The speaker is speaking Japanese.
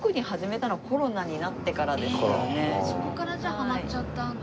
やっぱりそこからじゃあハマっちゃったんだ。